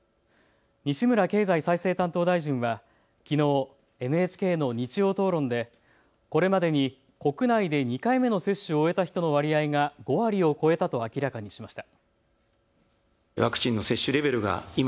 西村経済再生担当大臣はきのう、ＮＨＫの日曜討論でこれまでに国内で２回目の接種を終えた人の割合が５割を超えたと明らかにしました。